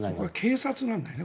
警察なんだよね。